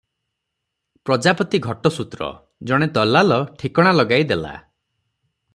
ପ୍ରଜାପତି ଘଟସୂତ୍ର, ଜଣେ ଦଲାଲ ଠିକଣା ଲଗାଇ ଦେଲା ।